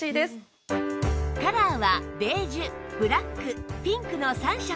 カラーはベージュブラックピンクの３色